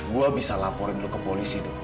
gua bisa laporin lu ke polisi do